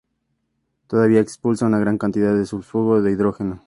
Todavía expulsa una gran cantidad de sulfuro de hidrógeno.